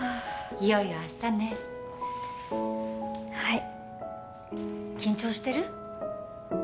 いよいよ明日ねはい緊張してる？